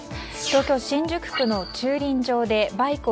東京・新宿区の駐輪場でバイク